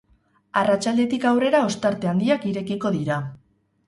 Arratsaldetik aurrera ostarte handiak irekiko dira.